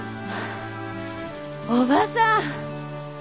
おばさん。